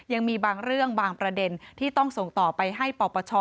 ยังมีบางเรื่องบางประเด็นที่ต้องส่งต่อไปให้ปปช